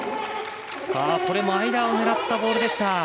これも間を狙ったボールでした。